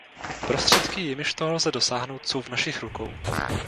Prostředky, jimž toho lze dosáhnout, jsou v našich rukou.